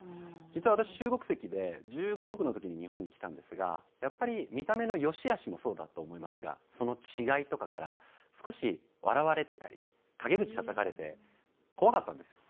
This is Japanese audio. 実は私中国籍で１５１６の時に日本に来たんですがやっぱり見た目の善しあしもそうだと思いますがその違いとかから少し笑われてたり陰口たたかれて怖かったんですよ。